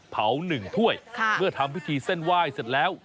เผาหนึ่งถ้วยเพื่อทำพิธีเส้นไหว้เสร็จแล้ว